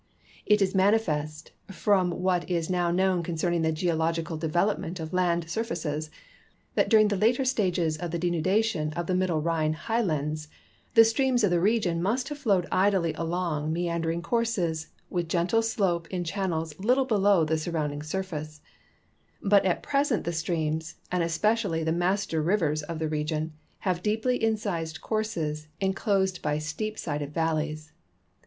It is manifest, from what is now known concerning the geological development of land sur faces, that during the later stages of the denudation of the middle Rhine higlilands the streams of the region must have flowed idl}'' along meandering courses with gentle sloi)e in channels little below the surrounding surface ; hut at present the streams, and especially the master rivers of the region, have deeply in cised courses inclosed by steep sided valle3^s.